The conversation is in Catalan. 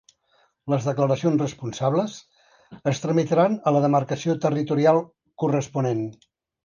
Les declaracions responsables es tramitaran a la demarcació territorial corresponent.